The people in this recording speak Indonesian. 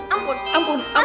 ampun ampun ampun